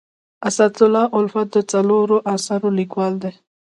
اسدالله الفت د څلورو اثارو لیکوال دی.